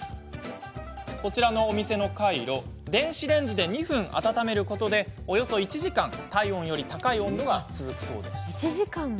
こちらのお店のカイロ電子レンジで２分温めることでおよそ１時間、体温より高い温度が続くそうです。